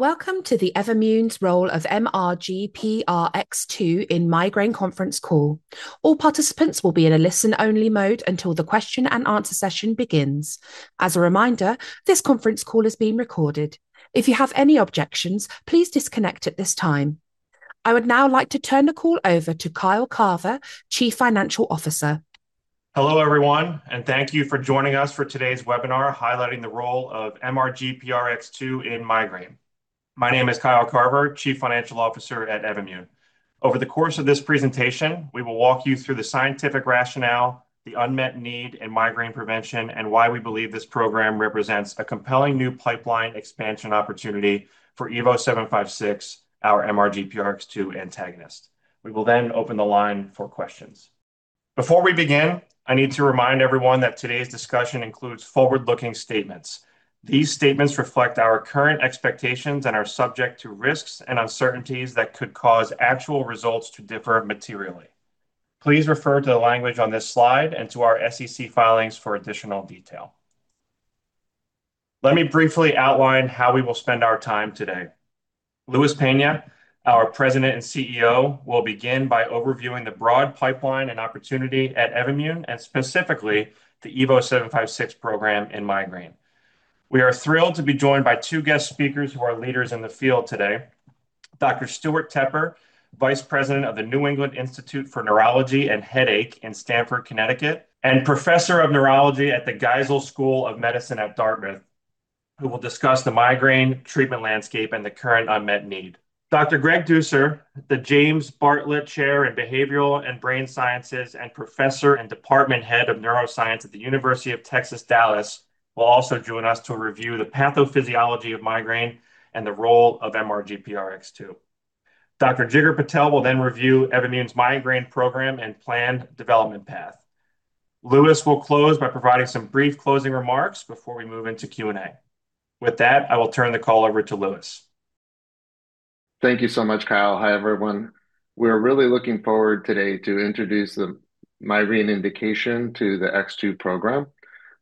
Welcome to the Evommune's role of MRGPRX2 in migraine conference call. All participants will be in a listen-only mode until the question and answer session begins. As a reminder, this conference call is being recorded. If you have any objections, please disconnect at this time. I would now like to turn the call over to Kyle Carver, Chief Financial Officer. Hello, everyone, and thank you for joining us for today's webinar highlighting the role of MRGPRX2 in migraine. My name is Kyle Carver, Chief Financial Officer at Evommune. Over the course of this presentation, we will walk you through the scientific rationale, the unmet need in migraine prevention, and why we believe this program represents a compelling new pipeline expansion opportunity for EVO756, our MRGPRX2 antagonist. We will then open the line for questions. Before we begin, I need to remind everyone that today's discussion includes forward-looking statements. These statements reflect our current expectations and are subject to risks and uncertainties that could cause actual results to differ materially. Please refer to the language on this slide and to our SEC filings for additional detail. Let me briefly outline how we will spend our time today. Luis Peña, our President and CEO, will begin by overviewing the broad pipeline and opportunity at Evommune, and specifically the EVO756 program in migraine. We are thrilled to be joined by two guest speakers who are leaders in the field today. Dr. Stewart Tepper, Vice President of the New England Institute for Neurology and Headache in Stamford, Connecticut, and Professor of Neurology at the Geisel School of Medicine at Dartmouth, who will discuss the migraine treatment landscape and the current unmet need. Dr. Greg Dussor, the James Bartlett Chair in Behavioral and Brain Sciences, and Professor and Department Head of Neuroscience at The University of Texas at Dallas, will also join us to review the pathophysiology of migraine and the role of MRGPRX2. Dr. Jeegar Patel will then review Evommune's migraine program and planned development path. Luis will close by providing some brief closing remarks before we move into Q&A. With that, I will turn the call over to Luis. Thank you so much, Kyle. Hi, everyone. We're really looking forward today to introduce the migraine indication to the X2 program.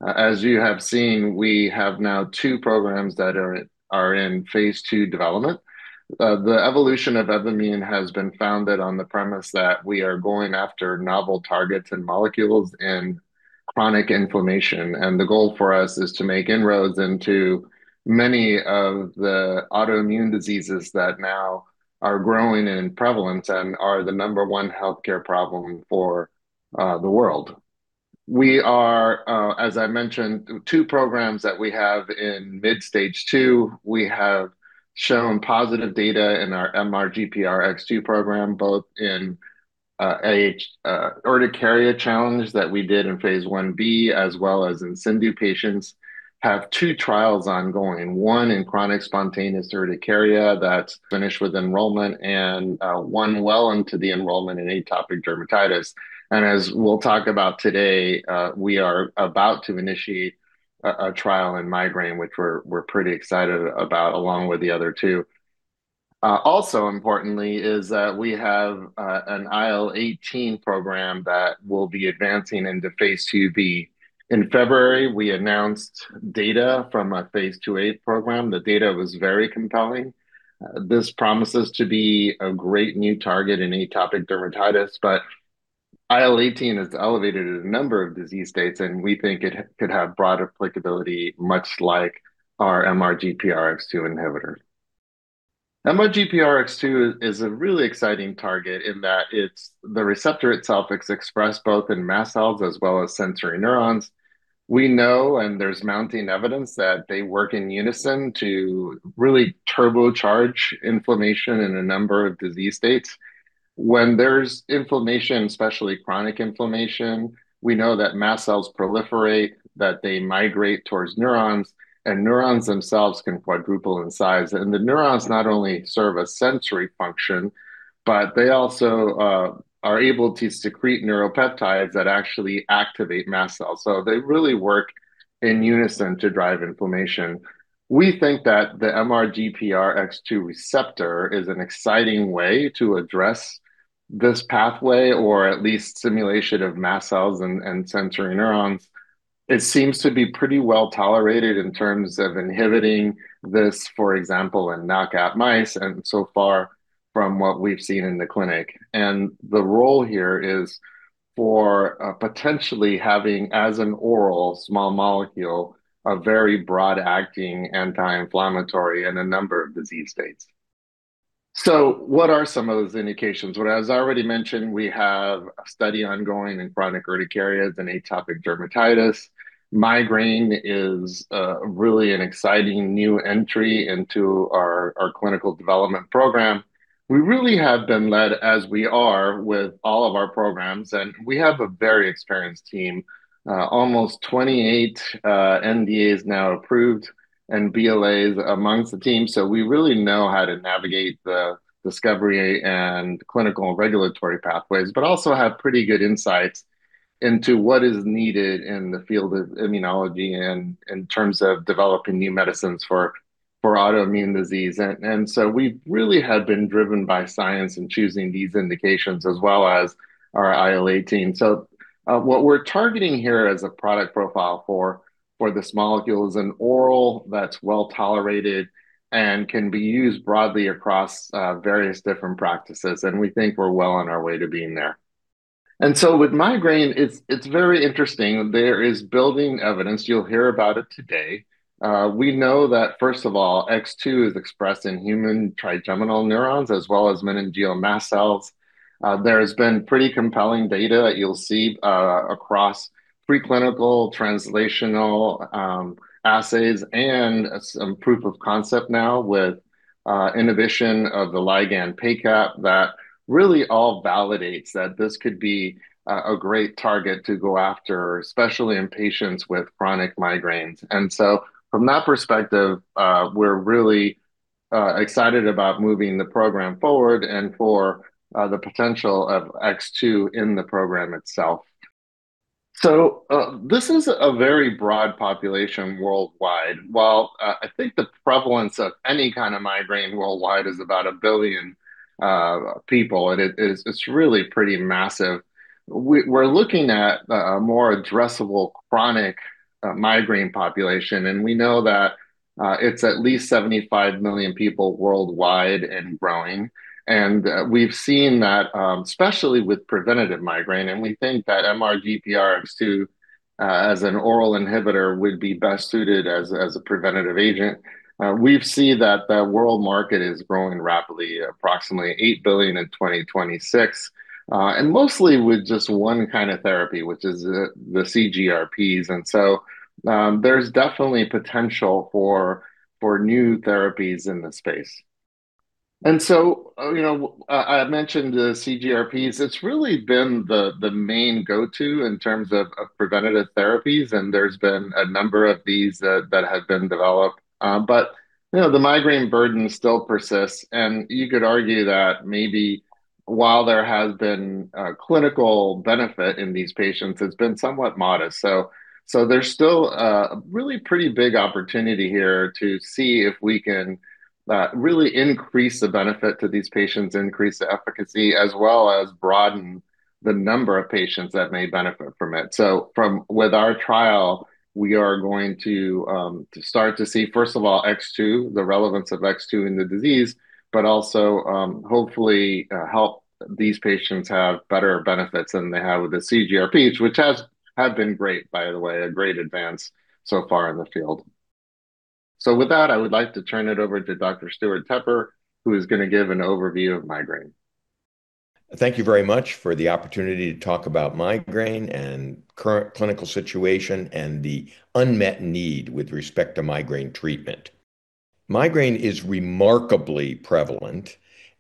As you have seen, we have now two programs that are in phase II development. The evolution of Evommune has been founded on the premise that we are going after novel targets and molecules in chronic inflammation, and the goal for us is to make inroads into many of the autoimmune diseases that now are growing in prevalence and are the number one healthcare problem for the world. We are, as I mentioned, two programs that we have in mid-stage II. We have shown positive data in our MRGPRX2 program, both in urticaria challenge that we did in phase Ib as well as in CIndU patients. We have two trials ongoing, one in chronic spontaneous urticaria that's finished with enrollment, and one well into the enrollment in atopic dermatitis. As we'll talk about today, we are about to initiate a trial in migraine, which we're pretty excited about, along with the other two. Also importantly is that we have an IL-18 program that will be advancing into phase IIb. In February, we announced data from a phase IIa program. The data was very compelling. This promises to be a great new target in atopic dermatitis, but IL-18 is elevated in a number of disease states, and we think it could have broad applicability, much like our MRGPRX2 inhibitor. MRGPRX2 is a really exciting target in that the receptor itself is expressed both in mast cells as well as sensory neurons. We know, and there's mounting evidence, that they work in unison to really turbocharge inflammation in a number of disease states. When there's inflammation, especially chronic inflammation, we know that mast cells proliferate, that they migrate towards neurons, and neurons themselves can quadruple in size. The neurons not only serve a sensory function, but they also are able to secrete neuropeptides that actually activate mast cells. They really work in unison to drive inflammation. We think that the MRGPRX2 receptor is an exciting way to address this pathway, or at least stimulation of mast cells and sensory neurons. It seems to be pretty well tolerated in terms of inhibiting this, for example, in knockout mice, and so far from what we've seen in the clinic. The role here is for potentially having, as an oral small molecule, a very broad-acting anti-inflammatory in a number of disease states. What are some of those indications? As I already mentioned, we have a study ongoing in chronic urticaria and atopic dermatitis. Migraine is really an exciting new entry into our clinical development program. We really have been led, as we are with all of our programs, and we have a very experienced team. Almost 28 NDAs now approved and BLAs amongst the team. We really know how to navigate the discovery and clinical regulatory pathways, but also have pretty good insights into what is needed in the field of immunology and in terms of developing new medicines for autoimmune disease. We really have been driven by science in choosing these indications as well as our IL-18. What we're targeting here as a product profile for this molecule is an oral that's well-tolerated and can be used broadly across various different practices, and we think we're well on our way to being there. With migraine, it's very interesting. There is building evidence. You'll hear about it today. We know that first of all, X2 is expressed in human trigeminal neurons as well as meningeal mast cells. There has been pretty compelling data you'll see across preclinical translational assays and some proof of concept now with inhibition of the ligand PACAP that really all validates that this could be a great target to go after, especially in patients with chronic migraines. From that perspective, we're really excited about moving the program forward and for the potential of X2 in the program itself. This is a very broad population worldwide. While I think the prevalence of any kind of migraine worldwide is about a billion people, and it's really pretty massive. We're looking at a more addressable chronic migraine population, and we know that it's at least 75 million people worldwide and growing. We've seen that especially with preventative migraine, and we think that MRGPRX2 as an oral inhibitor would be best suited as a preventative agent. We've seen that the world market is growing rapidly, approximately $8 billion in 2026, and mostly with just one kind of therapy, which is the CGRPs. There's definitely potential for new therapies in this space. I mentioned the CGRPs. It's really been the main go-to in terms of preventative therapies, and there's been a number of these that have been developed. The migraine burden still persists, and you could argue that maybe while there has been clinical benefit in these patients, it's been somewhat modest. There's still a really pretty big opportunity here to see if we can really increase the benefit to these patients, increase the efficacy, as well as broaden the number of patients that may benefit from it. With our trial, we are going to start to see, first of all, X2, the relevance of X2 in the disease, but also hopefully help these patients have better benefits than they have with the CGRPs, which have been great by the way, a great advance so far in the field. With that, I would like to turn it over to Dr. Stewart Tepper, who is going to give an overview of migraine. Thank you very much for the opportunity to talk about migraine and current clinical situation and the unmet need with respect to migraine treatment. Migraine is remarkably prevalent,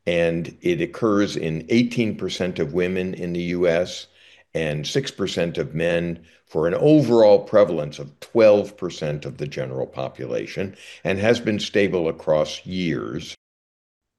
and it occurs in 18% of women in the U.S. and 6% of men for an overall prevalence of 12% of the general population and has been stable across years.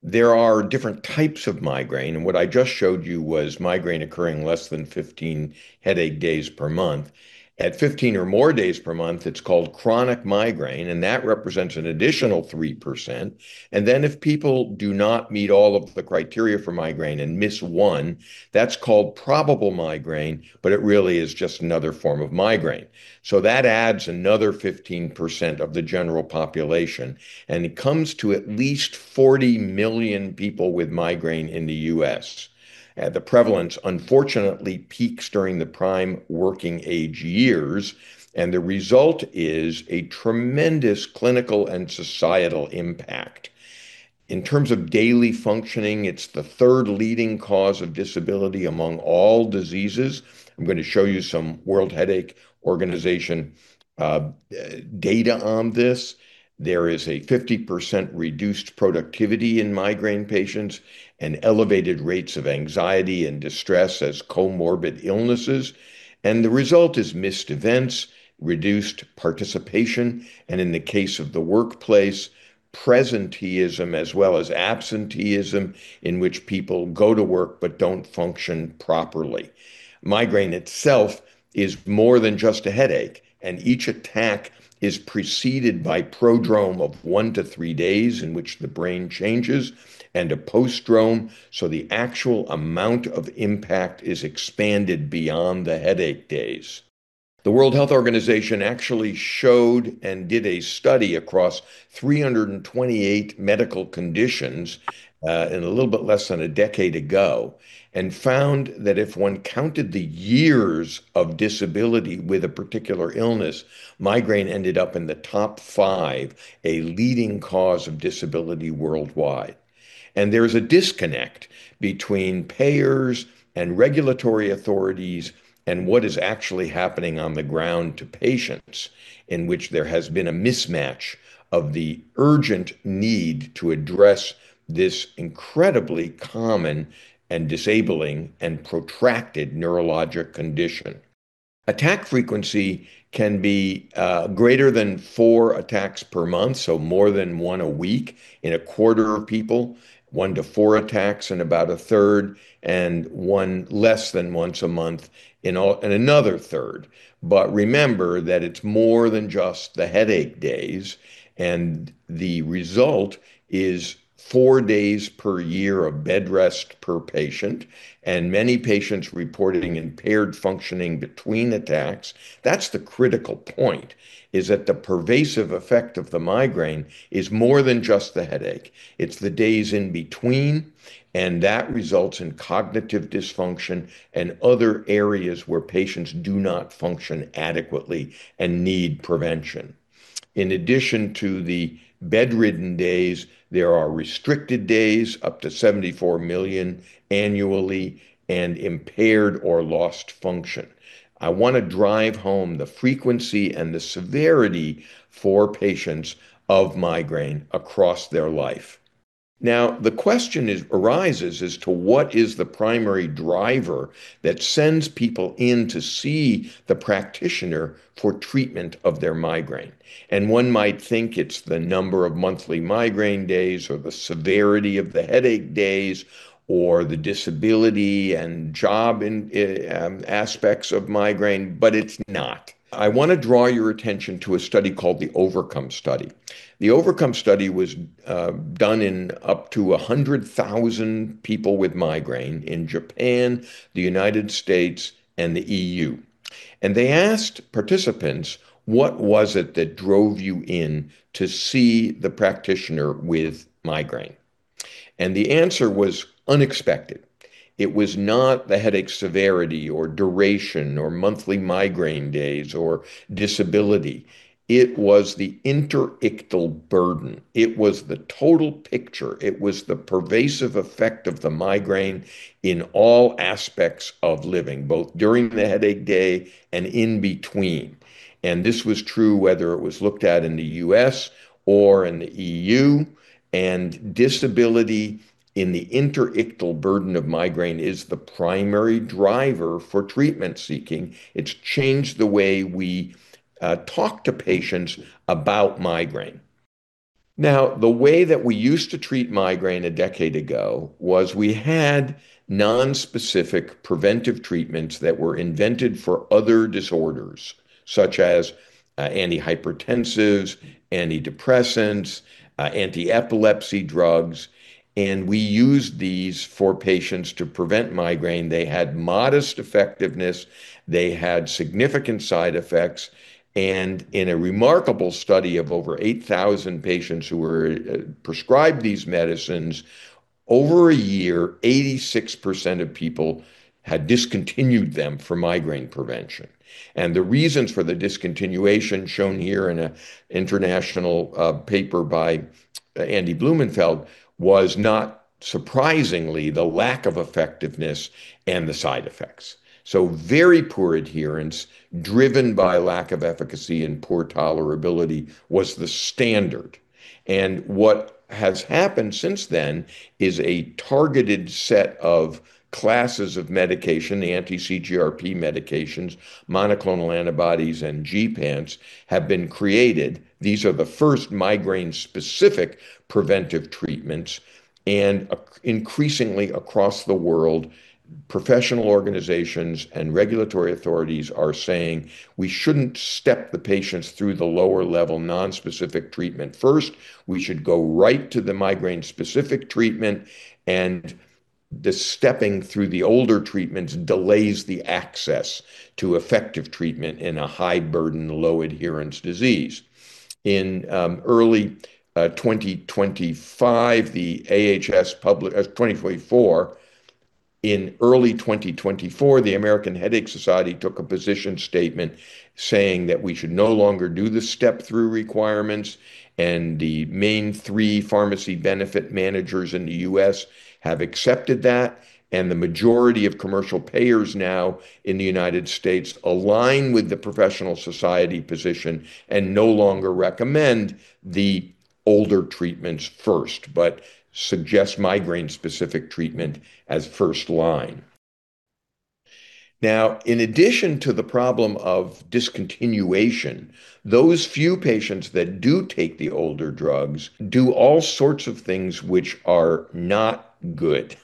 There are different types of migraine, and what I just showed you was migraine occurring less than 15 headache days per month. At 15 or more days per month, it's called chronic migraine, and that represents an additional 3%. If people do not meet all of the criteria for migraine and miss one, that's called probable migraine, but it really is just another form of migraine. That adds another 15% of the general population, and it comes to at least 40 million people with migraine in the U.S. The prevalence unfortunately peaks during the prime working age years, and the result is a tremendous clinical and societal impact. In terms of daily functioning, it's the third leading cause of disability among all diseases. I'm going to show you some World Headache Organization data on this. There is a 50% reduced productivity in migraine patients and elevated rates of anxiety and distress as comorbid illnesses. The result is missed events, reduced participation, and in the case of the workplace, presenteeism as well as absenteeism in which people go to work but don't function properly. Migraine itself is more than just a headache. Each attack is preceded by prodrome of one to three days in which the brain changes and a postdrome. The actual amount of impact is expanded beyond the headache days. The World Health Organization actually showed and did a study across 328 medical conditions a little bit less than a decade ago, and found that if one counted the years of disability with a particular illness, migraine ended up in the top five, a leading cause of disability worldwide. There's a disconnect between payers and regulatory authorities and what is actually happening on the ground to patients in which there has been a mismatch of the urgent need to address this incredibly common and disabling and protracted neurologic condition. Attack frequency can be greater than four attacks per month, so more than one a week in a quarter of people, one to four attacks in about a third, and less than once a month in another third. Remember that it's more than just the headache days, and the result is four days per year of bed rest per patient, and many patients reporting impaired functioning between attacks. That's the critical point, is that the pervasive effect of the migraine is more than just the headache. It's the days in between, and that results in cognitive dysfunction and other areas where patients do not function adequately and need prevention. In addition to the bedridden days, there are restricted days, up to 74 million annually, and impaired or lost function. I want to drive home the frequency and the severity for patients of migraine across their life. Now, the question is arises as to what is the primary driver that sends people in to see the practitioner for treatment of their migraine. One might think it's the number of monthly migraine days, or the severity of the headache days, or the disability and job aspects of migraine, but it's not. I want to draw your attention to a study called the OVERCOME Study. The OVERCOME Study was done in up to 100,000 people with migraine in Japan, the United States, and the E.U. They asked participants, "What was it that drove you in to see the practitioner with migraine?" The answer was unexpected. It was not the headache severity or duration or monthly migraine days or disability. It was the interictal burden. It was the total picture. It was the pervasive effect of the migraine in all aspects of living, both during the headache day and in between. This was true whether it was looked at in the U.S. or in the E.U., and disability in the interictal burden of migraine is the primary driver for treatment seeking. It's changed the way we talk to patients about migraine. Now, the way that we used to treat migraine a decade ago was we had non-specific preventive treatments that were invented for other disorders, such as antihypertensives, antidepressants, antiepilepsy drugs, and we used these for patients to prevent migraine. They had modest effectiveness. They had significant side effects, and in a remarkable study of over 8,000 patients who were prescribed these medicines, over a year, 86% of people had discontinued them for migraine prevention. The reasons for the discontinuation, shown here in an international paper by Andy Blumenfeld, was not surprisingly, the lack of effectiveness and the side effects. Very poor adherence driven by lack of efficacy and poor tolerability was the standard. What has happened since then is a targeted set of classes of medication, the anti-CGRP medications, monoclonal antibodies, and gepants have been created. These are the first migraine-specific preventive treatments, and increasingly across the world, professional organizations and regulatory authorities are saying we shouldn't step the patients through the lower-level nonspecific treatment first. We should go right to the migraine-specific treatment, and the stepping through the older treatments delays the access to effective treatment in a high-burden, low-adherence disease. In early 2024, the American Headache Society took a position statement saying that we should no longer do the step-through requirements, and the main three pharmacy benefit managers in the U.S. have accepted that, and the majority of commercial payers now in the United States align with the professional society position and no longer recommend the older treatments first but suggest migraine-specific treatment as first line. Now, in addition to the problem of discontinuation, those few patients that do take the older drugs do all sorts of things which are not good.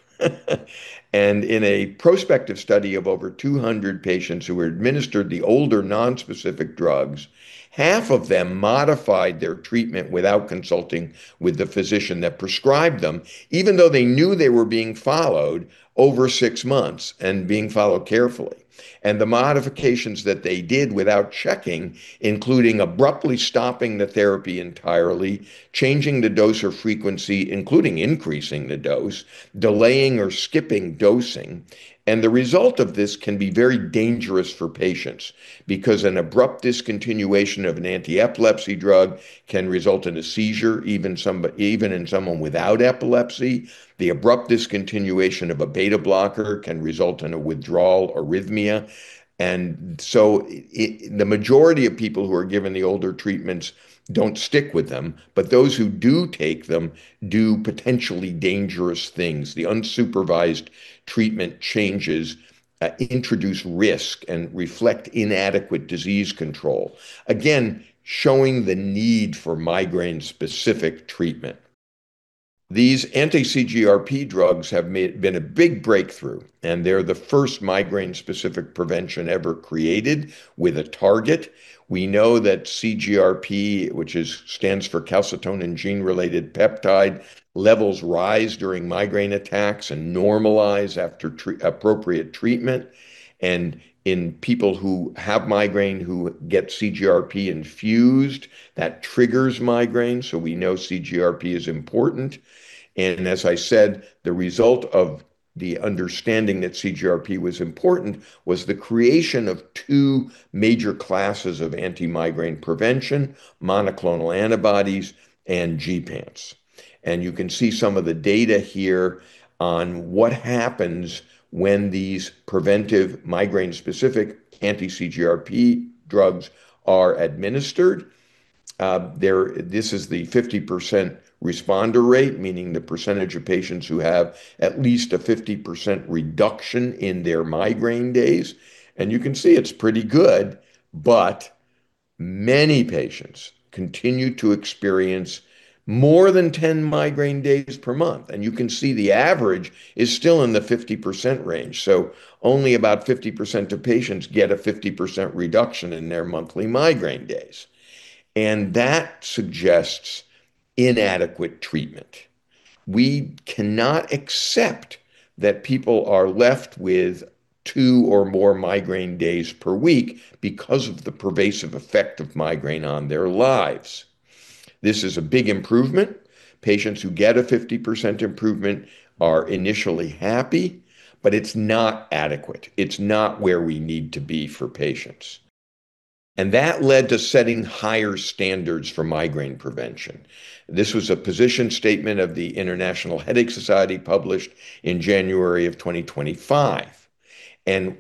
In a prospective study of over 200 patients who were administered the older non-specific drugs, half of them modified their treatment without consulting with the physician that prescribed them, even though they knew they were being followed over six months and being followed carefully. The modifications that they did without checking, including abruptly stopping the therapy entirely, changing the dose or frequency, including increasing the dose, delaying or skipping dosing, and the result of this can be very dangerous for patients because an abrupt discontinuation of an antiepilepsy drug can result in a seizure, even in someone without epilepsy. The abrupt discontinuation of a beta-blocker can result in a withdrawal arrhythmia. The majority of people who are given the older treatments don't stick with them, but those who do take them do potentially dangerous things. The unsupervised treatment changes introduce risk and reflect inadequate disease control, again, showing the need for migraine-specific treatment. These anti-CGRP drugs have been a big breakthrough, and they're the first migraine-specific prevention ever created with a target. We know that CGRP, which stands for calcitonin gene-related peptide, levels rise during migraine attacks and normalize after appropriate treatment. In people who have migraine who get CGRP infused, that triggers migraine, so we know CGRP is important. As I said, the result of the understanding that CGRP was important was the creation of two major classes of anti-migraine prevention, monoclonal antibodies and gepants. You can see some of the data here on what happens when these preventive migraine-specific anti-CGRP drugs are administered. This is the 50% responder rate, meaning the percentage of patients who have at least a 50% reduction in their migraine days. You can see it's pretty good, but many patients continue to experience more than 10 migraine days per month. You can see the average is still in the 50% range. Only about 50% of patients get a 50% reduction in their monthly migraine days. That suggests inadequate treatment. We cannot accept that people are left with two or more migraine days per week because of the pervasive effect of migraine on their lives. This is a big improvement. Patients who get a 50% improvement are initially happy, but it's not adequate. It's not where we need to be for patients. That led to setting higher standards for migraine prevention. This was a position statement of the International Headache Society published in January of 2025.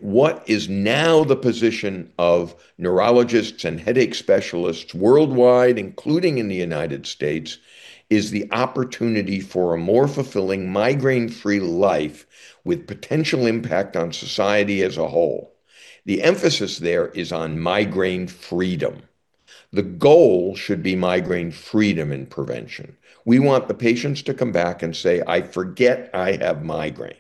What is now the position of neurologists and headache specialists worldwide, including in the United States, is the opportunity for a more fulfilling migraine-free life with potential impact on society as a whole. The emphasis there is on migraine freedom. The goal should be migraine freedom and prevention. We want the patients to come back and say, "I forget I have migraine."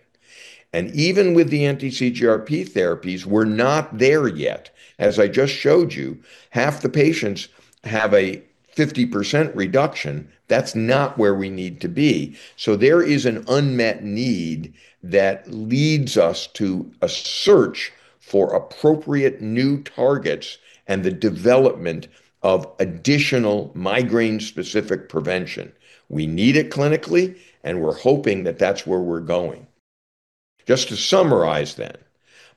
Even with the anti-CGRP therapies, we're not there yet. As I just showed you, half the patients have a 50% reduction. That's not where we need to be. There is an unmet need that leads us to a search for appropriate new targets and the development of additional migraine-specific prevention. We need it clinically, and we're hoping that that's where we're going. Just to summarize then,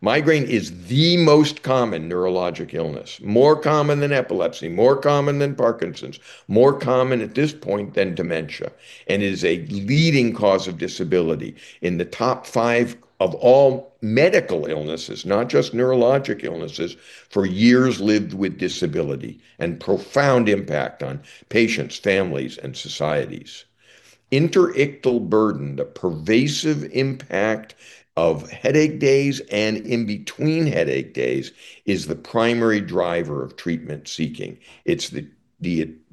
migraine is the most common neurologic illness. It is more common than epilepsy, more common than Parkinson's, more common at this point than dementia, and is a leading cause of disability. It is in the top five of all medical illnesses, not just neurologic illnesses, for years lived with disability, and profound impact on patients, families, and societies. Interictal burden, the pervasive impact of headache days and in between headache days, is the primary driver of treatment seeking.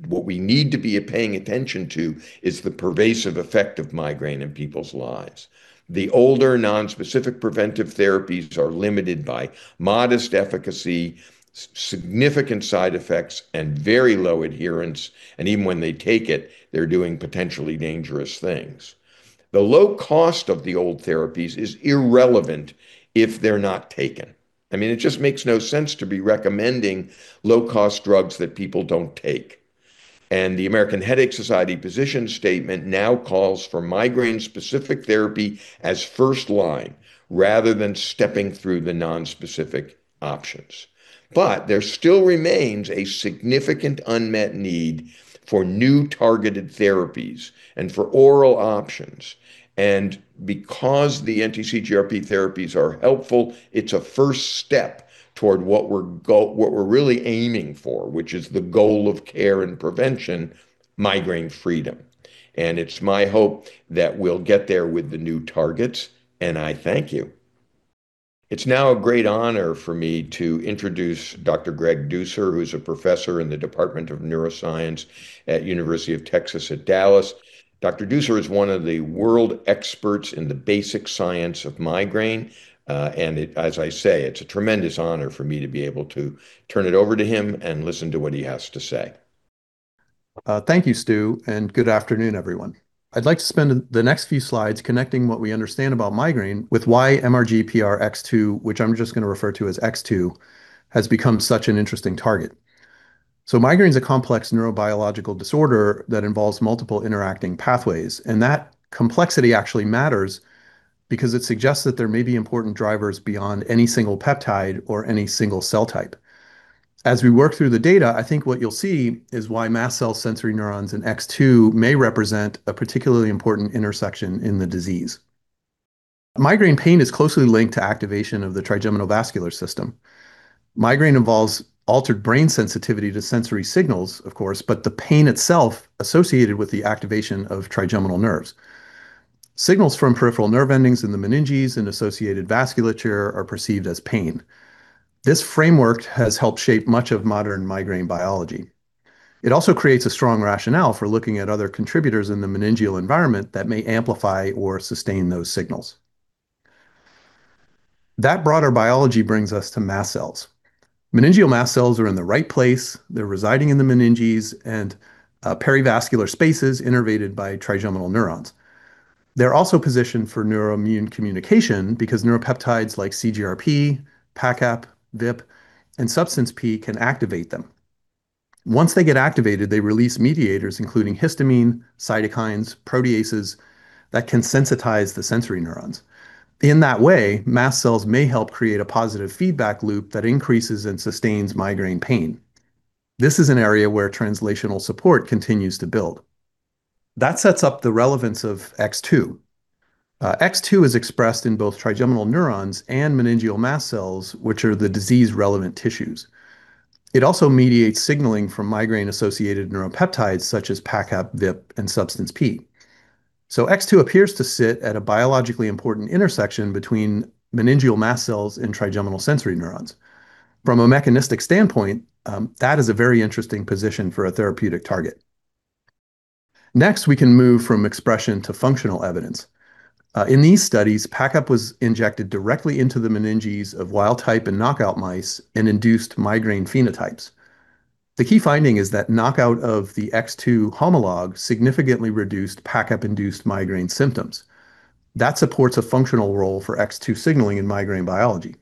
What we need to be paying attention to is the pervasive effect of migraine in people's lives. The older non-specific preventive therapies are limited by modest efficacy, significant side effects, and very low adherence. Even when they take it, they're doing potentially dangerous things. The low cost of the old therapies is irrelevant if they're not taken. It just makes no sense to be recommending low-cost drugs that people don't take. The American Headache Society position statement now calls for migraine-specific therapy as first line rather than stepping through the non-specific options. There still remains a significant unmet need for new targeted therapies and for oral options. Because the anti-CGRP therapies are helpful, it's a first step toward what we're really aiming for, which is the goal of care and prevention, migraine freedom. It's my hope that we'll get there with the new targets, and I thank you. It's now a great honor for me to introduce Dr. Greg Dussor, who's a professor in the Department of Neuroscience at University of Texas at Dallas. Dr. Dussor is one of the world experts in the basic science of migraine. As I say, it's a tremendous honor for me to be able to turn it over to him and listen to what he has to say. Thank you, Stu, and good afternoon, everyone. I'd like to spend the next few slides connecting what we understand about migraine with why MRGPRX2, which I'm just going to refer to as X2, has become such an interesting target. Migraine is a complex neurobiological disorder that involves multiple interacting pathways. That complexity actually matters because it suggests that there may be important drivers beyond any single peptide or any single cell type. As we work through the data, I think what you'll see is why mast cells, sensory neurons and X2 may represent a particularly important intersection in the disease. Migraine pain is closely linked to activation of the trigeminovascular system. Migraine involves altered brain sensitivity to sensory signals, of course, but the pain itself associated with the activation of trigeminal nerves. Signals from peripheral nerve endings in the meninges and associated vasculature are perceived as pain. This framework has helped shape much of modern migraine biology. It also creates a strong rationale for looking at other contributors in the meningeal environment that may amplify or sustain those signals. That broader biology brings us to mast cells. Meningeal mast cells are in the right place. They're residing in the meninges and perivascular spaces innervated by trigeminal neurons. They're also positioned for neuroimmune communication because neuropeptides like CGRP, PACAP, VIP, and Substance P can activate them. Once they get activated, they release mediators including histamine, cytokines, and proteases that can sensitize the sensory neurons. In that way, mast cells may help create a positive feedback loop that increases and sustains migraine pain. This is an area where translational support continues to build. That sets up the relevance of X2. X2 is expressed in both trigeminal neurons and meningeal mast cells, which are the disease-relevant tissues. It also mediates signaling from migraine-associated neuropeptides such as PACAP, VIP, and Substance P. X2 appears to sit at a biologically important intersection between meningeal mast cells and trigeminal sensory neurons. From a mechanistic standpoint, that is a very interesting position for a therapeutic target. Next, we can move from expression to functional evidence. In these studies, PACAP was injected directly into the meninges of wild-type and knockout mice and induced migraine phenotypes. The key finding is that knockout of the X2 homolog significantly reduced PACAP-induced migraine symptoms. That supports a functional role for X2 signaling in migraine biology.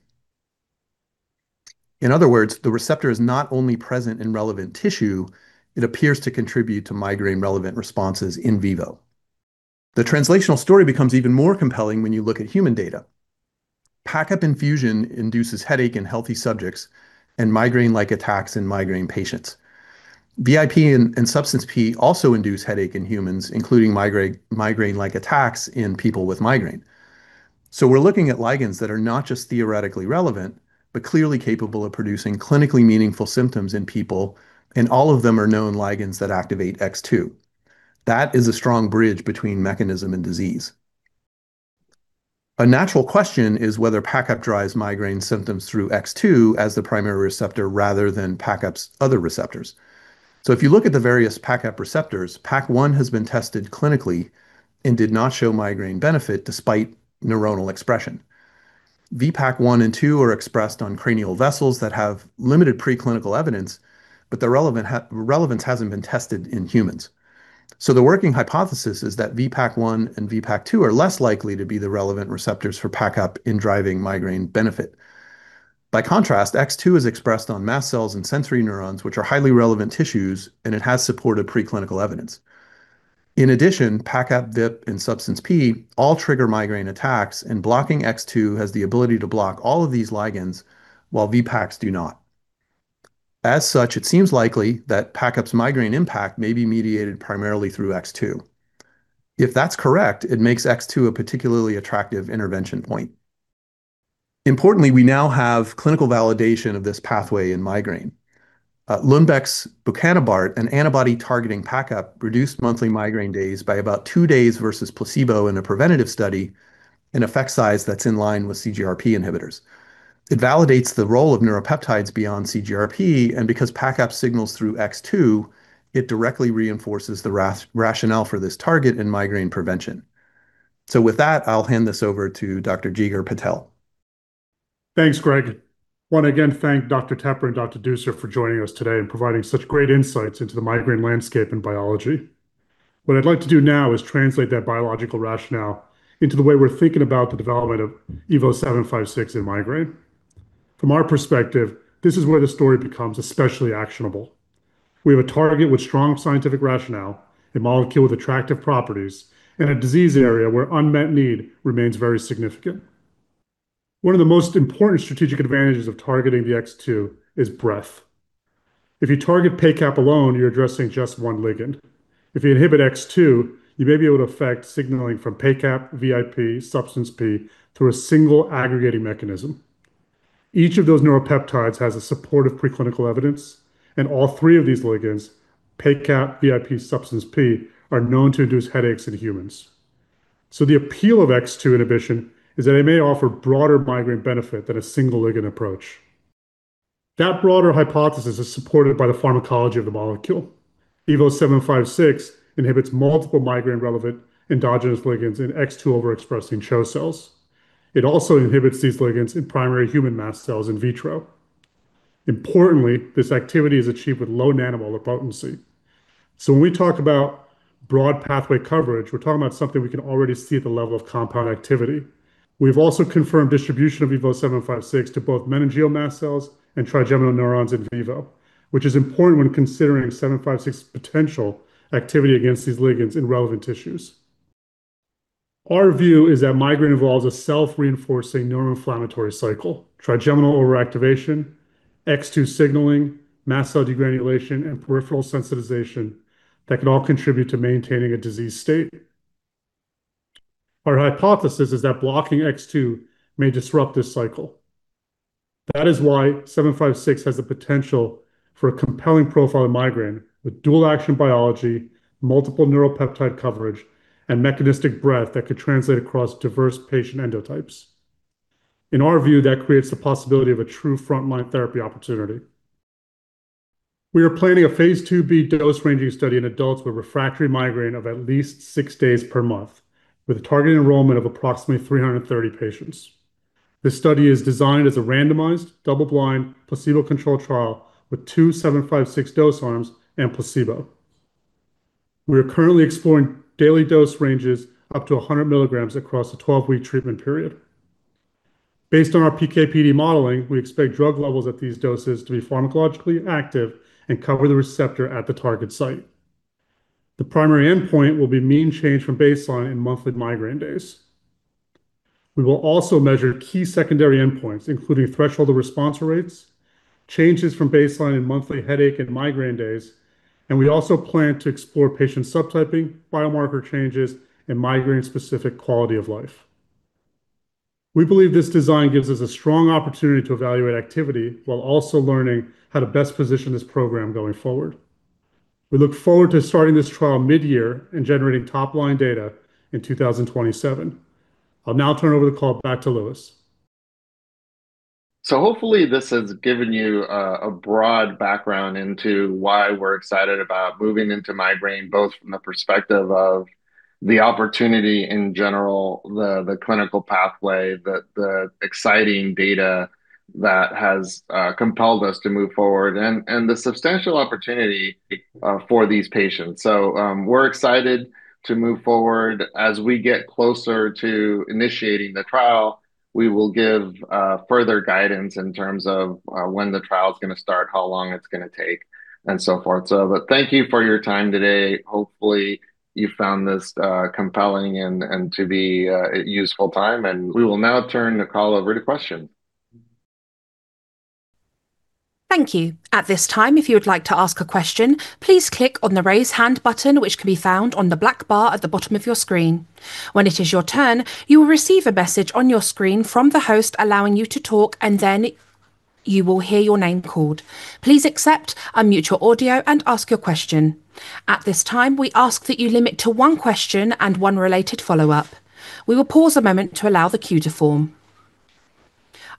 In other words, the receptor is not only present in relevant tissue, it appears to contribute to migraine-relevant responses in vivo. The translational story becomes even more compelling when you look at human data. PACAP infusion induces headache in healthy subjects and migraine-like attacks in migraine patients. VIP and Substance P also induce headache in humans, including migraine-like attacks in people with migraine. We're looking at ligands that are not just theoretically relevant, but clearly capable of producing clinically meaningful symptoms in people, and all of them are known ligands that activate X2. That is a strong bridge between mechanism and disease. A natural question is whether PACAP drives migraine symptoms through X2 as the primary receptor rather than PACAP's other receptors. If you look at the various PACAP receptors, PAC-1 has been tested clinically and did not show migraine benefit despite neuronal expression. VPAC1 and VPAC2 are expressed on cranial vessels that have limited preclinical evidence, but the relevance hasn't been tested in humans. The working hypothesis is that VPAC1 and VPAC2 are less likely to be the relevant receptors for PACAP in driving migraine benefit. By contrast, X2 is expressed on mast cells and sensory neurons, which are highly relevant tissues, and it has supported preclinical evidence. In addition, PACAP, VIP, and Substance P all trigger migraine attacks, and blocking X2 has the ability to block all of these ligands, while VPACs do not. As such, it seems likely that PACAP's migraine impact may be mediated primarily through X2. If that's correct, it makes X2 a particularly attractive intervention point. Importantly, we now have clinical validation of this pathway in migraine. Lundbeck's Bocunebart, an antibody targeting PACAP, reduced monthly migraine days by about two days versus placebo in a preventative study, an effect size that's in line with CGRP inhibitors. It validates the role of neuropeptides beyond CGRP, and because PACAP signals through X2, it directly reinforces the rationale for this target in migraine prevention. With that, I'll hand this over to Dr. Jeegar Patel. Thanks, Greg. I want to again thank Dr. Tepper and Dr. Dussor for joining us today and providing such great insights into the migraine landscape and biology. What I'd like to do now is translate that biological rationale into the way we're thinking about the development of EVO756 in migraine. From our perspective, this is where the story becomes especially actionable. We have a target with strong scientific rationale, a molecule with attractive properties, and a disease area where unmet need remains very significant. One of the most important strategic advantages of targeting the X2 is breadth. If you target PACAP alone, you're addressing just one ligand. If you inhibit X2, you may be able to affect signaling from PACAP, VIP, Substance P through a single aggregating mechanism. Each of those neuropeptides has supportive preclinical evidence, and all three of these ligands, PACAP, VIP, Substance P, are known to induce headaches in humans. The appeal of X2 inhibition is that it may offer broader migraine benefit than a single ligand approach. That broader hypothesis is supported by the pharmacology of the molecule. EVO756 inhibits multiple migraine-relevant endogenous ligands in X2 overexpressing CHO cells. It also inhibits these ligands in primary human mast cells in vitro. Importantly, this activity is achieved with low nanomolar potency. When we talk about broad pathway coverage, we're talking about something we can already see at the level of compound activity. We've also confirmed distribution of EVO756 to both meningeal mast cells and trigeminal neurons in vivo, which is important when considering 756's potential activity against these ligands in relevant tissues. Our view is that migraine involves a self-reinforcing neuroinflammatory cycle, trigeminal overactivation, X2 signaling, mast cell degranulation, and peripheral sensitization that could all contribute to maintaining a disease state. Our hypothesis is that blocking X2 may disrupt this cycle. That is why 756 has the potential for a compelling profile of migraine with dual-action biology, multiple neuropeptide coverage, and mechanistic breadth that could translate across diverse patient endotypes. In our view, that creates the possibility of a true frontline therapy opportunity. We are planning a phase IIb dose-ranging study in adults with refractory migraine of at least six days per month, with a targeted enrollment of approximately 330 patients. This study is designed as a randomized, double-blind, placebo-controlled trial with two 756 dose arms and placebo. We are currently exploring daily dose ranges up to 100 mg across a 12-week treatment period. Based on our PK/PD modeling, we expect drug levels at these doses to be pharmacologically active and cover the receptor at the target site. The primary endpoint will be mean change from baseline in monthly migraine days. We will also measure key secondary endpoints, including threshold and response rates, changes from baseline in monthly headache and migraine days, and we also plan to explore patient subtyping, biomarker changes, and migraine-specific quality of life. We believe this design gives us a strong opportunity to evaluate activity while also learning how to best position this program going forward. We look forward to starting this trial mid-year and generating top-line data in 2027. I'll now turn over the call back to Luis. Hopefully this has given you a broad background into why we're excited about moving into migraine, both from the perspective of the opportunity in general, the clinical pathway, the exciting data that has compelled us to move forward, and the substantial opportunity for these patients. We're excited to move forward. As we get closer to initiating the trial, we will give further guidance in terms of when the trial is going to start, how long it's going to take, and so forth. Thank you for your time today. Hopefully you found this compelling and to be a useful time, and we will now turn the call over to questions. Thank you. At this time, if you would like to ask a question, please click on the Raise Hand button, which can be found on the black bar at the bottom of your screen. When it is your turn, you will receive a message on your screen from the host allowing you to talk, and then you will hear your name called. Please accept, unmute your audio and ask your question. At this time, we ask that you limit to one question and one related follow-up. We will pause a moment to allow the queue to form.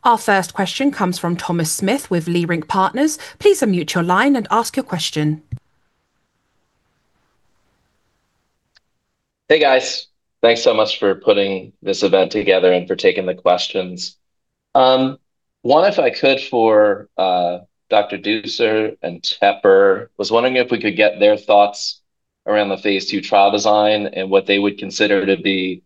Our first question comes from Thomas Smith with Leerink Partners. Please unmute your line and ask your question. Hey, guys. Thanks so much for putting this event together and for taking the questions. One, if I could, for Dr. Dussor and Tepper, I was wondering if we could get their thoughts around the phase II trial design and what they would consider to be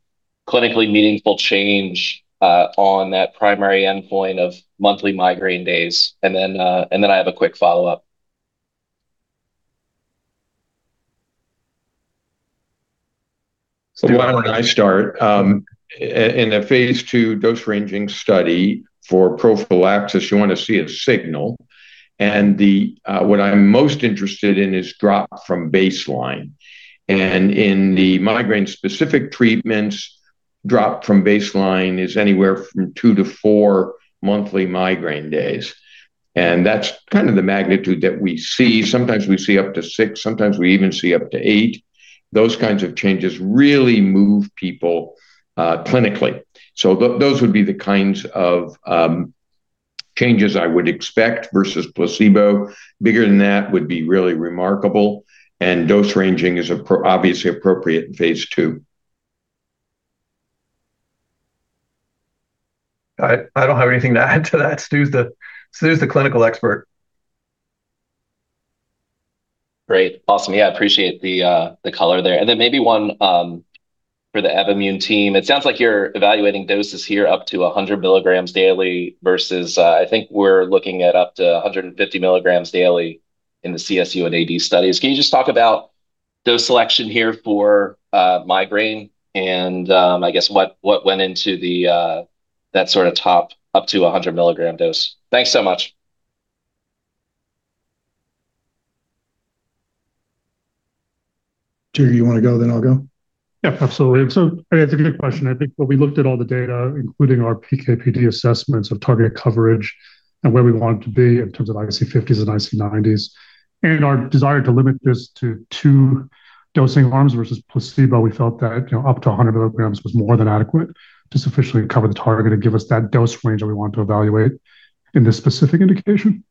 clinically meaningful change on that primary endpoint of monthly migraine days. I have a quick follow-up. Why don't I start? In a phase II dose-ranging study for prophylaxis, you want to see a signal, and what I'm most interested in is drop from baseline. In the migraine-specific treatments, drop from baseline is anywhere from two to four monthly migraine days, and that's kind of the magnitude that we see. Sometimes we see up to six. Sometimes we even see up to eight. Those kinds of changes really move people clinically. Those would be the kinds of changes I would expect versus placebo. Bigger than that would be really remarkable, and dose ranging is obviously appropriate in phase II. I don't have anything to add to that. Stu's the clinical expert. Great. Awesome. Yeah, I appreciate the color there. Maybe one for the Evommune team. It sounds like you're evaluating doses here up to 100 mg daily versus I think we're looking at up to 150 mg daily in the CSU and AD studies. Can you just talk about dose selection here for migraine and I guess what went into that sort of top up to 100 mg dose? Thanks so much. Jee, you want to go then I'll go? Yeah, absolutely. It's a good question. I think when we looked at all the data, including our PK/PD assessments of target coverage and where we wanted to be in terms of IC50s and IC90s and our desire to limit this to two dosing arms versus placebo, we felt that up to 100 mg was more than adequate to sufficiently cover the target and give us that dose range that we want to evaluate in this specific indication.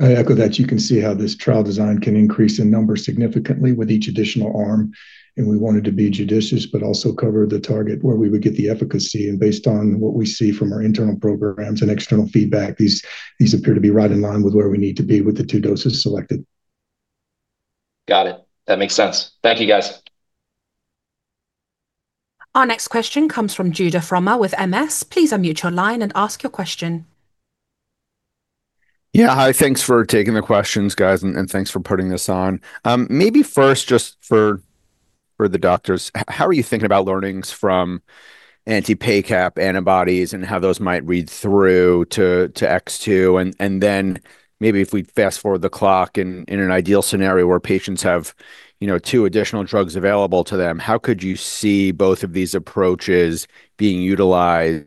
I echo that. You can see how this trial design can increase in number significantly with each additional arm, and we wanted to be judicious but also cover the target where we would get the efficacy. Based on what we see from our internal programs and external feedback, these appear to be right in line with where we need to be with the two doses selected. Got it. That makes sense. Thank you, guys. Our next question comes from Judah Frommer with MS. Please unmute your line and ask your question. Yeah. Hi. Thanks for taking the questions, guys, and thanks for putting this on. Maybe first, just for the doctors, how are you thinking about learnings from anti-PACAP antibodies and how those might read through to X2? Maybe if we fast-forward the clock in an ideal scenario where patients have two additional drugs available to them, how could you see both of these approaches being utilized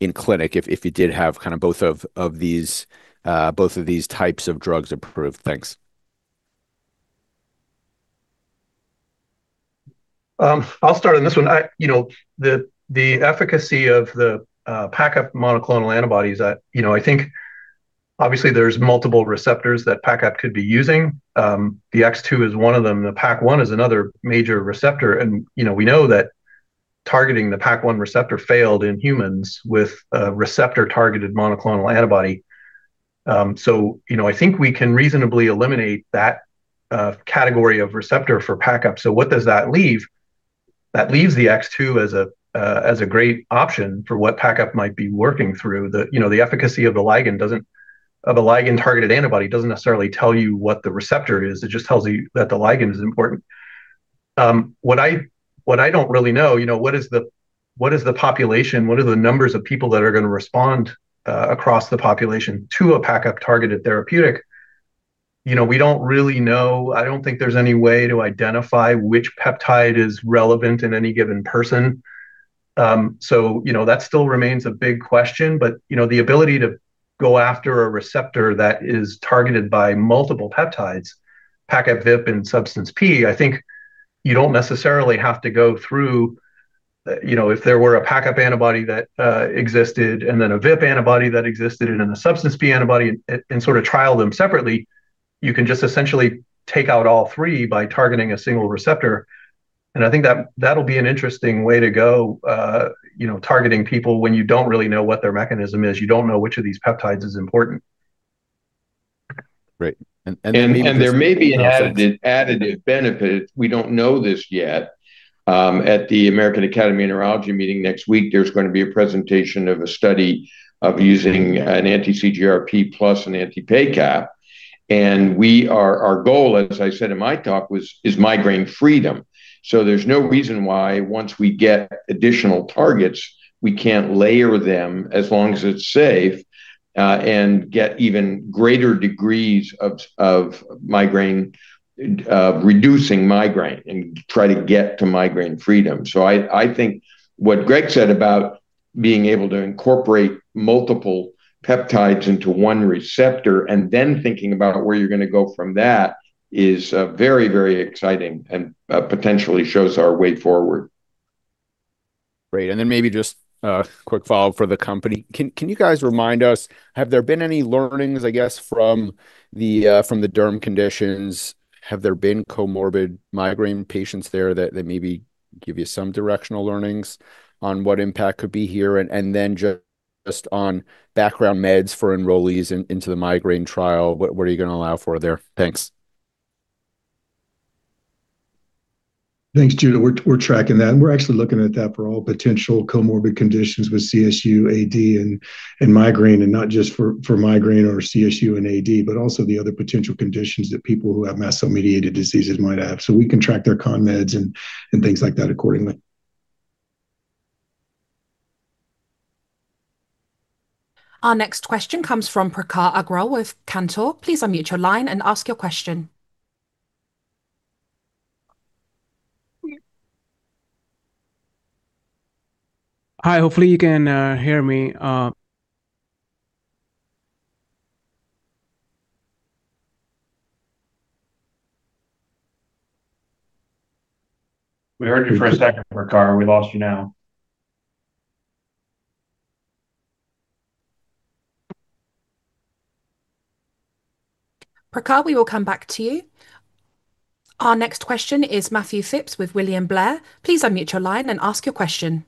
in clinic if you did have both of these types of drugs approved? Thanks. I'll start on this one. The efficacy of the PACAP monoclonal antibodies, I think obviously there's multiple receptors that PACAP could be using. The X2 is one of them. The PAC-1 is another major receptor. We know that targeting the PAC-1 receptor failed in humans with a receptor-targeted monoclonal antibody. I think we can reasonably eliminate that category of receptor for PACAP. What does that leave? That leaves the X2 as a great option for what PACAP might be working through. The efficacy of a ligand-targeted antibody doesn't necessarily tell you what the receptor is. It just tells you that the ligand is important. What I don't really know, what is the population? What are the numbers of people that are going to respond across the population to a PACAP-targeted therapeutic? We don't really know. I don't think there's any way to identify which peptide is relevant in any given person. That still remains a big question. The ability to go after a receptor that is targeted by multiple peptides, PACAP, VIP, and Substance P, I think you don't necessarily have to go through, if there were a PACAP antibody that existed and then a VIP antibody that existed and then a Substance P antibody and sort of trial them separately, you can just essentially take out all three by targeting a single receptor. I think that'll be an interesting way to go, targeting people when you don't really know what their mechanism is. You don't know which of these peptides is important. Great. There may be an additive benefit. We don't know this yet. At the American Academy of Neurology meeting next week, there's going to be a presentation of a study of using an anti-CGRP plus an anti-PACAP. Our goal, as I said in my talk, is migraine freedom. There's no reason why once we get additional targets, we can't layer them as long as it's safe, and get even greater degrees of reducing migraine and try to get to migraine freedom. I think what Greg said about being able to incorporate multiple peptides into one receptor and then thinking about where you're going to go from that is very exciting and potentially shows our way forward. Great. Maybe just a quick follow-up for the company. Can you guys remind us, have there been any learnings, I guess, from the derm conditions? Have there been comorbid migraine patients there that maybe give you some directional learnings on what impact could be here? Just on background meds for enrollees into the migraine trial, what are you going to allow for there? Thanks. Thanks, Judah. We're tracking that, and we're actually looking at that for all potential comorbid conditions with CSU, AD, and migraine, and not just for migraine or CSU and AD, but also the other potential conditions that people who have mast cell-mediated diseases might have. We can track their con meds and things like that accordingly. Our next question comes from Prakhar Agrawal with Cantor. Please unmute your line and ask your question. Hi, hopefully you can hear me. We heard you for a second, Prakhar. We lost you now. Prakhar, we will come back to you. Our next question is Matthew Phipps with William Blair. Please unmute your line and ask your question.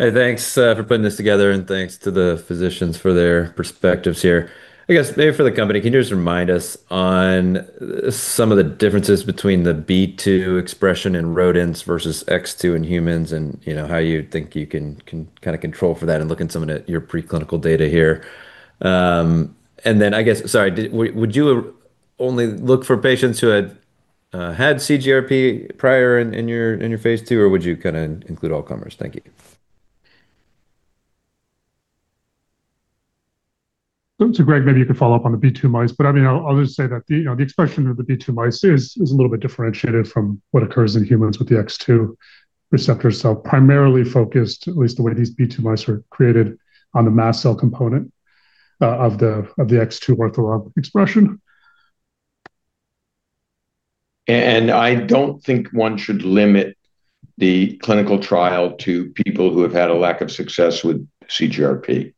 Hey, thanks for putting this together, and thanks to the physicians for their perspectives here. I guess maybe for the company, can you just remind us on some of the differences between the B2 expression in rodents versus X2 in humans and how you think you can kind of control for that and look at some of your preclinical data here? I guess, sorry, would you only look for patients who had had CGRP prior in your phase II, or would you kind of include all comers? Thank you. Greg, maybe you could follow up on the B2 mice, but I'll just say that the expression of the B2 mice is a little bit differentiated from what occurs in humans with the X2 receptor cell, primarily focused, at least the way these B2 mice are created, on the mast cell component of the X2 ortholog expression. I don't think one should limit the clinical trial to people who have had a lack of success with CGRP.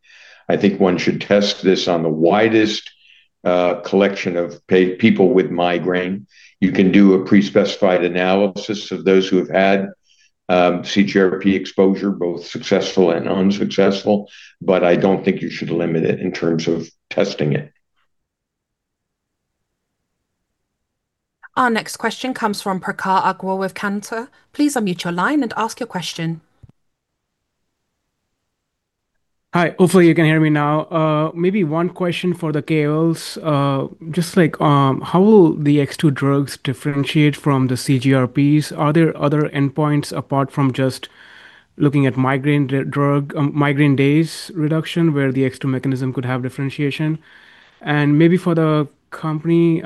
I think one should test this on the widest collection of people with migraine. You can do a pre-specified analysis of those who have had CGRP exposure, both successful and unsuccessful, but I don't think you should limit it in terms of testing it. Our next question comes from Prakhar Agrawal with Cantor. Please unmute your line and ask your question. Hi. Hopefully you can hear me now. Maybe one question for the KOLs, just like, how will the X2 drugs differentiate from the CGRPs? Are there other endpoints apart from just looking at migraine days reduction, where the X2 mechanism could have differentiation? Maybe for the company,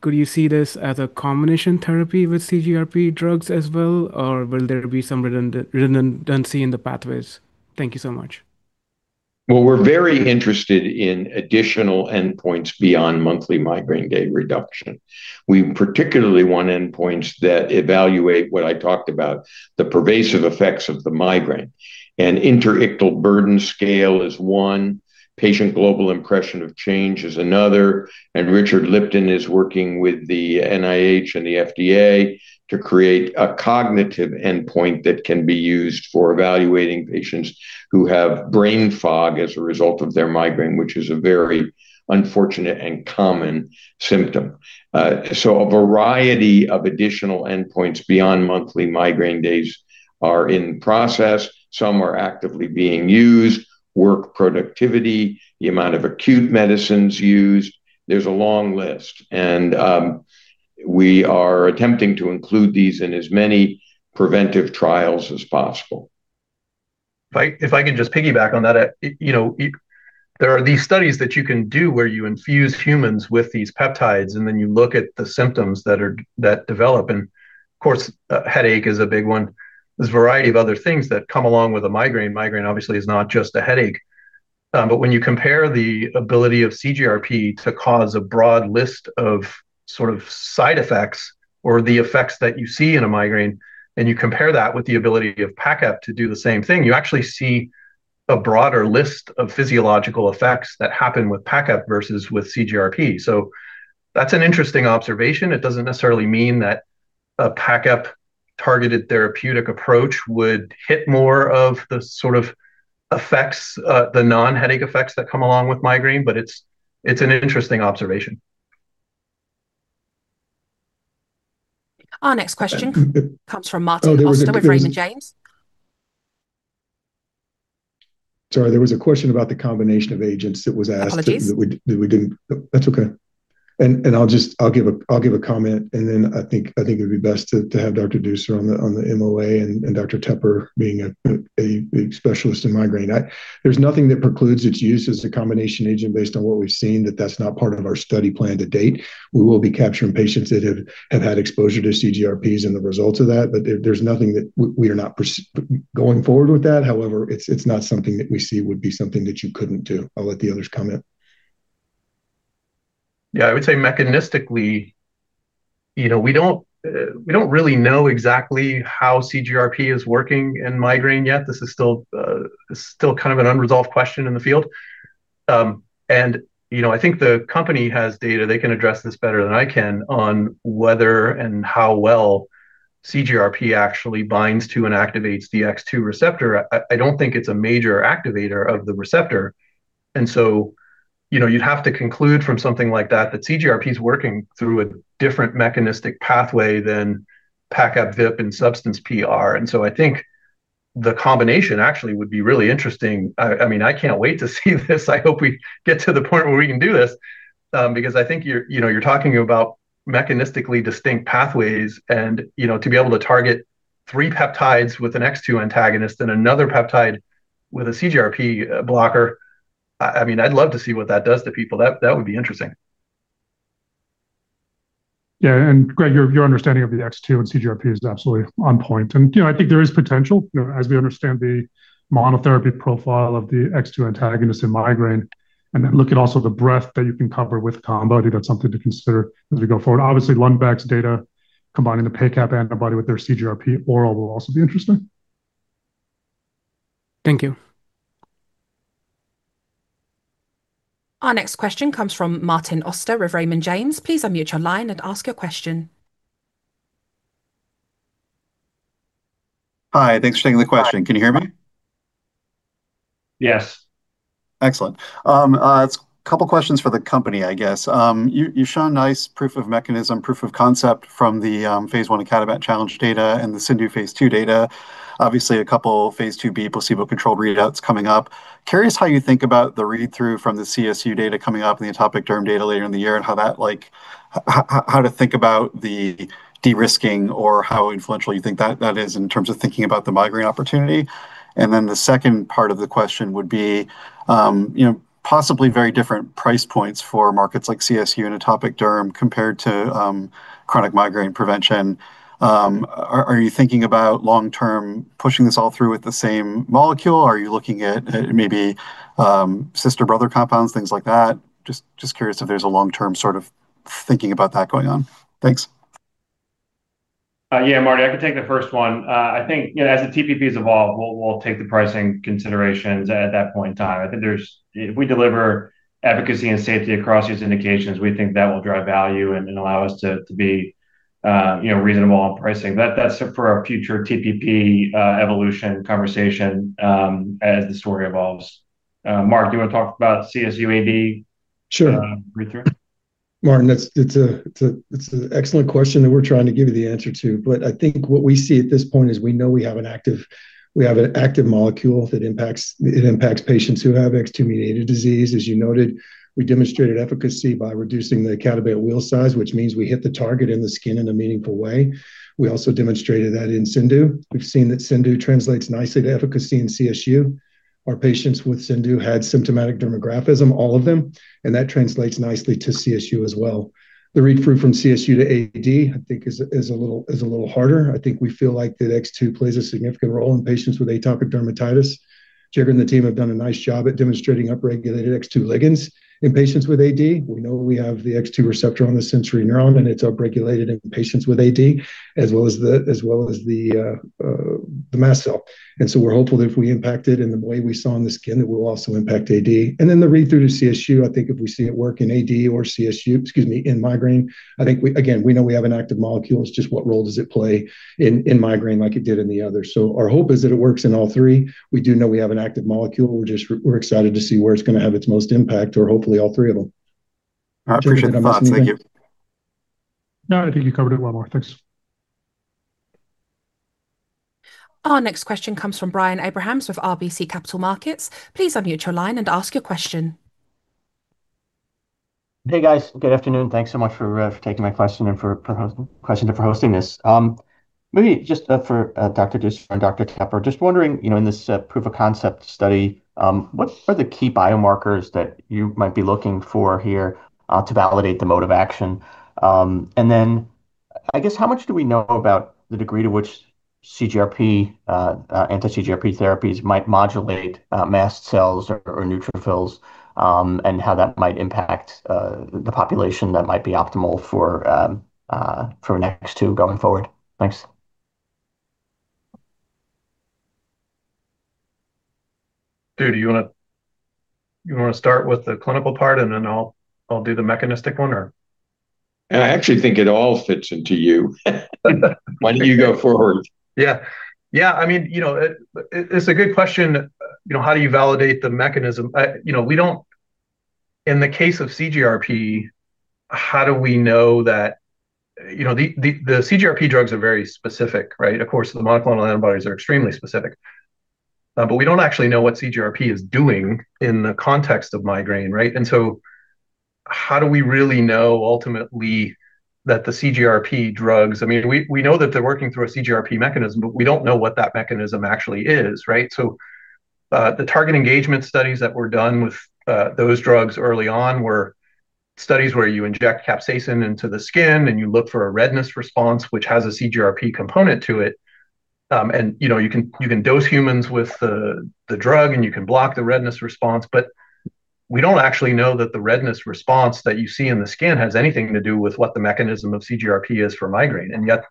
could you see this as a combination therapy with CGRP drugs as well, or will there be some redundancy in the pathways? Thank you so much. Well, we're very interested in additional endpoints beyond monthly migraine day reduction. We particularly want endpoints that evaluate what I talked about, the pervasive effects of the migraine. An interictal burden scale is one. Patient Global Impression of Change is another. Richard Lipton is working with the NIH and the FDA to create a cognitive endpoint that can be used for evaluating patients who have brain fog as a result of their migraine, which is a very unfortunate and common symptom. A variety of additional endpoints beyond monthly migraine days are in process. Some are actively being used, work productivity, the amount of acute medicines used. There's a long list, and we are attempting to include these in as many preventive trials as possible. If I could just piggyback on that. There are these studies that you can do where you infuse humans with these peptides, and then you look at the symptoms that develop. Of course, headache is a big one. There's a variety of other things that come along with a migraine. Migraine obviously is not just a headache. When you compare the ability of CGRP to cause a broad list of sort of side effects or the effects that you see in a migraine, and you compare that with the ability of PACAP to do the same thing, you actually see a broader list of physiological effects that happen with PACAP versus with CGRP. That's an interesting observation. It doesn't necessarily mean that a PACAP-targeted therapeutic approach would hit more of the sort of effects, the non-headache effects that come along with migraine, but it's an interesting observation. Our next question comes from Martin Auster with Raymond James. Sorry, there was a question about the combination of agents that was asked. Apologies. That's okay. I'll give a comment, and then I think it'd be best to have Dr. Dussor on the MOA and Dr. Tepper, being a specialist in migraine. There's nothing that precludes its use as a combination agent based on what we've seen. That's not part of our study plan to date. We will be capturing patients that have had exposure to CGRPs and the results of that. There's nothing that we are not going forward with that. However, it's not something that we see would be something that you couldn't do. I'll let the others comment. Yeah, I would say mechanistically, we don't really know exactly how CGRP is working in migraine yet. This is still kind of an unresolved question in the field. I think the company has data. They can address this better than I can on whether and how well CGRP actually binds to and activates the X2 receptor. I don't think it's a major activator of the receptor. You'd have to conclude from something like that CGRP is working through a different mechanistic pathway than PACAP, VIP, and Substance P. I think the combination actually would be really interesting. I mean, I can't wait to see this. I hope we get to the point where we can do this, because I think you're talking about mechanistically distinct pathways and to be able to target three peptides with an X2 antagonist and another peptide with a CGRP blocker. I mean, I'd love to see what that does to people. That would be interesting. Yeah, Greg, your understanding of the X2 and CGRP is absolutely on point. I think there is potential as we understand the monotherapy profile of the X2 antagonist in migraine, and then look at also the breadth that you can cover with combo. I think that's something to consider as we go forward. Obviously, Lundbeck's data combining the PACAP antibody with their CGRP oral will also be interesting. Thank you. Our next question comes from Martin Auster of Raymond James. Please unmute your line and ask your question. Hi. Thanks for taking the question. Can you hear me? Yes. Excellent. Couple questions for the company, I guess. You've shown nice proof of mechanism, proof of concept from the phase I codeine challenge data and the CIndU phase II data. Obviously a couple phase IIb placebo-controlled readouts coming up. Curious how you think about the read-through from the CSU data coming up and the atopic derm data later in the year, and how to think about the de-risking or how influential you think that is in terms of thinking about the migraine opportunity. The second part of the question would be, possibly very different price points for markets like CSU and atopic derm compared to chronic migraine prevention. Are you thinking about long-term, pushing this all through with the same molecule? Are you looking at maybe sister-brother compounds, things like that? Just curious if there's a long-term sort of thinking about that going on. Thanks. Yeah, Martin, I can take the first one. I think as the TPP has evolved, we'll take the pricing considerations at that point in time. I think if we deliver efficacy and safety across these indications, we think that will drive value and allow us to be. Reasonable on pricing. That's for our future TPP evolution conversation as the story evolves. Mark, do you want to talk about CSU, AD? Sure... read-through? Martin, that's an excellent question that we're trying to give you the answer to. I think what we see at this point is we know we have an active molecule that impacts patients who have X2-mediated disease, as you noted. We demonstrated efficacy by reducing the [cadabea] wheal size, which means we hit the target in the skin in a meaningful way. We also demonstrated that in CIndU. We've seen that CIndU translates nicely to efficacy in CSU. Our patients with CIndU had symptomatic dermatographism, all of them, and that translates nicely to CSU as well. The read-through from CSU to AD, I think is a little harder. I think we feel like that X2 plays a significant role in patients with atopic dermatitis. Jacob and the team have done a nice job at demonstrating upregulated X2 ligands in patients with AD. We know we have the X2 receptor on the sensory neuron, and it's upregulated in patients with AD, as well as the mast cell. We're hopeful that if we impact it in the way we saw in the skin, it will also impact AD. The read-through to CSU, I think if we see it work in AD or CSU, excuse me, in migraine, I think, again, we know we have an active molecule. It's just what role does it play in migraine like it did in the other. Our hope is that it works in all three. We do know we have an active molecule. We're excited to see where it's going to have its most impact, or hopefully all three of them. Thank you. No, I think you covered it well, Mark. Thanks. Our next question comes from Brian Abrahams of RBC Capital Markets. Please unmute your line and ask your question. Hey, guys. Good afternoon. Thanks so much for taking my question and for hosting this. Maybe just for Dr. Dussor and Dr. Tepper, just wondering, in this proof-of-concept study, what are the key biomarkers that you might be looking for here to validate the mode of action? I guess how much do we know about the degree to which CGRP, anti-CGRP therapies might modulate mast cells or neutrophils, and how that might impact the population that might be optimal for X2 going forward? Thanks. Stu, do you want to start with the clinical part, and then I'll do the mechanistic one? I actually think it all fits into you. Why don't you go forward? Yeah, it's a good question. How do you validate the mechanism? In the case of CGRP, how do we know that? The CGRP drugs are very specific. Of course, the monoclonal antibodies are extremely specific. We don't actually know what CGRP is doing in the context of migraine. How do we really know ultimately that the CGRP drugs? We know that they're working through a CGRP mechanism, but we don't know what that mechanism actually is. The target engagement studies that were done with those drugs early on were studies where you inject capsaicin into the skin, and you look for a redness response, which has a CGRP component to it. You can dose humans with the drug, and you can block the redness response. We don't actually know that the redness response that you see in the skin has anything to do with what the mechanism of CGRP is for migraine. Yet,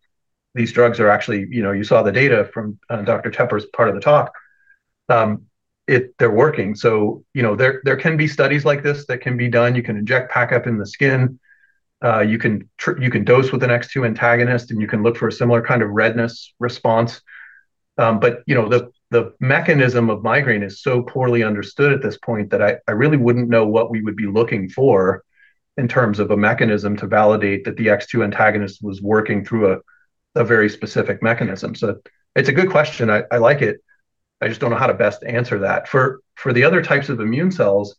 these drugs are actually, you saw the data from Dr. Tepper's part of the talk, they're working. There can be studies like this that can be done. You can inject PACAP in the skin. You can dose with an X2 antagonist, and you can look for a similar kind of redness response. The mechanism of migraine is so poorly understood at this point that I really wouldn't know what we would be looking for in terms of a mechanism to validate that the X2 antagonist was working through a very specific mechanism. It's a good question. I like it. I just don't know how to best answer that. For the other types of immune cells,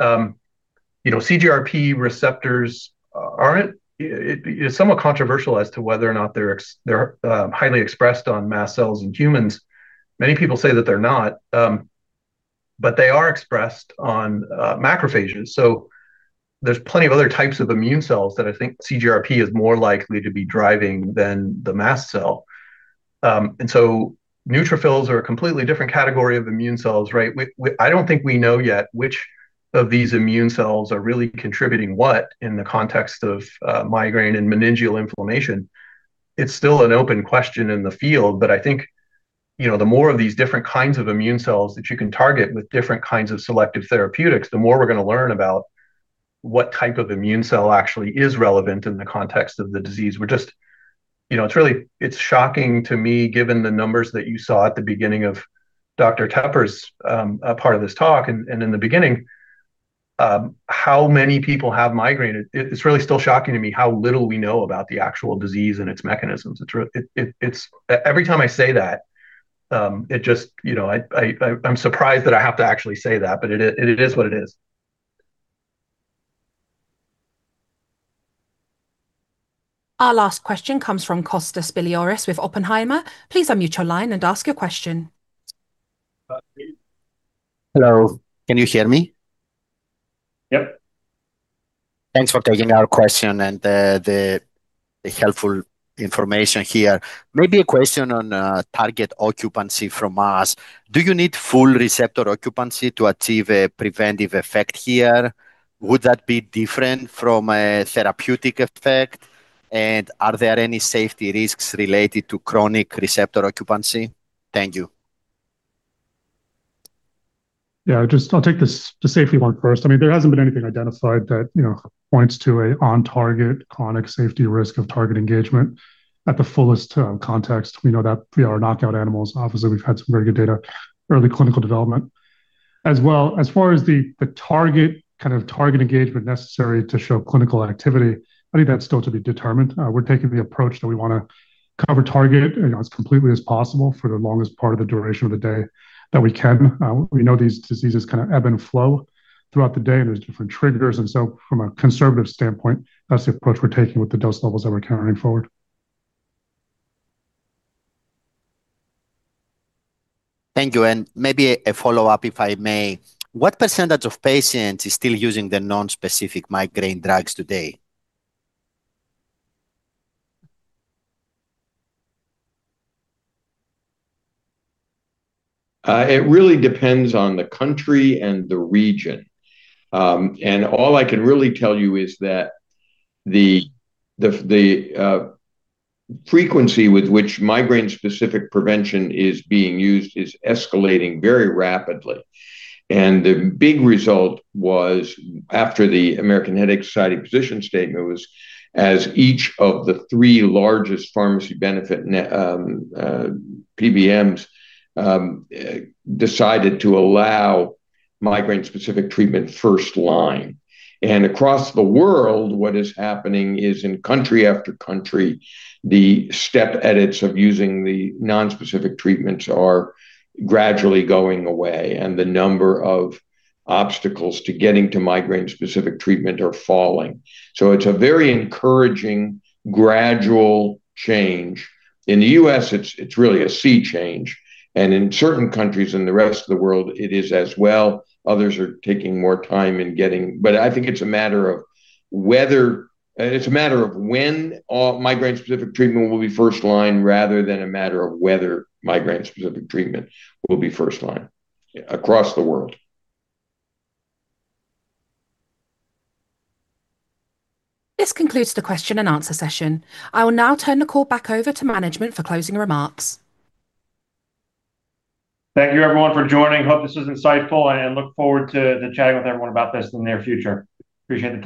CGRP receptors, it's somewhat controversial as to whether or not they're highly expressed on mast cells in humans. Many people say that they're not. They are expressed on macrophages. There's plenty of other types of immune cells that I think CGRP is more likely to be driving than the mast cell. Neutrophils are a completely different category of immune cells. I don't think we know yet which of these immune cells are really contributing what in the context of migraine and meningeal inflammation. It's still an open question in the field. I think, the more of these different kinds of immune cells that you can target with different kinds of selective therapeutics, the more we're going to learn about what type of immune cell actually is relevant in the context of the disease. It's shocking to me, given the numbers that you saw at the beginning of Dr. Tepper's part of this talk and in the beginning, how many people have migraine. It's really still shocking to me how little we know about the actual disease and its mechanisms. Every time I say that, I'm surprised that I have to actually say that, but it is what it is. Our last question comes from Kostas Biliouris with Oppenheimer. Please unmute your line and ask your question. Hello. Can you hear me? Yep. Thanks for taking our question and the helpful information here. Maybe a question on target occupancy from us. Do you need full receptor occupancy to achieve a preventive effect here? Would that be different from a therapeutic effect? Are there any safety risks related to chronic receptor occupancy? Thank you. Yeah, I'll take the safety one first. There hasn't been anything identified that points to a on-target chronic safety risk of target engagement at the fullest context. We know that our knockout animals, obviously, we've had some very good data, early clinical development. As well, as far as the target engagement necessary to show clinical activity, I think that's still to be determined. We're taking the approach that we want to cover target as completely as possible for the longest part of the duration of the day that we can. We know these diseases kind of ebb and flow throughout the day, and there's different triggers. From a conservative standpoint, that's the approach we're taking with the dose levels that we're carrying forward. Thank you, and maybe a follow-up, if I may. What percentage of patients is still using the nonspecific migraine drugs today? It really depends on the country and the region. All I can really tell you is that the frequency with which migraine-specific prevention is being used is escalating very rapidly. The big result was after the American Headache Society position statement was, as each of the three largest pharmacy benefit PBMs decided to allow migraine-specific treatment first line. Across the world, what is happening is in country after country, the step edits of using the non-specific treatments are gradually going away, and the number of obstacles to getting to migraine-specific treatment are falling. It's a very encouraging, gradual change. In the U.S., it's really a sea change, and in certain countries in the rest of the world, it is as well. I think it's a matter of when all migraine-specific treatment will be first line rather than a matter of whether migraine-specific treatment will be first line across the world. This concludes the question and answer session. I will now turn the call back over to management for closing remarks. Thank you everyone for joining. I hope this was insightful, and I look forward to chatting with everyone about this in the near future. I appreciate the time.